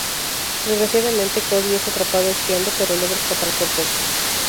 Desgraciadamente, Cody es atrapado espiando, pero logra escapar por poco.